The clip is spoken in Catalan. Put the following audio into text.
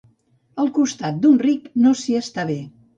Al costat d'un ric, no s'hi està bé.